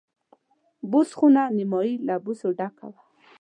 بوس خونه نیمایي له بوسو ډکه وه.